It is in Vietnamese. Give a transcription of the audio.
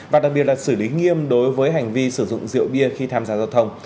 và đặc biệt là xử lý nghiêm đối với hành vi sử dụng rượu bia khi tham gia giao thông